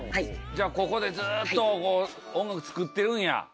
じゃここでずっと音楽作ってるんや。